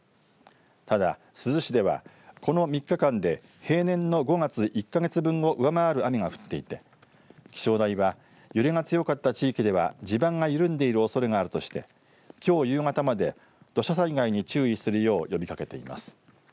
ただ珠洲市ではこの３日間で平年の５月１か月分を上回る雨が降っていて気象台は揺れが強かった地域では地盤が緩んでいるおそれがあるとしてきょう夕方まで土砂災害に注意するよう呼びかけています。